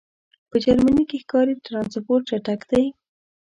په جرمنی کی ښکاری ټرانسپورټ چټک دی